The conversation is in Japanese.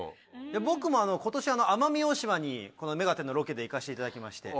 僕も今年奄美大島に『目がテン！』のロケで行かせていただきまして。